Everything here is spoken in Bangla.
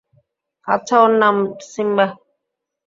আচ্ছা ওর নাম সিম্বা।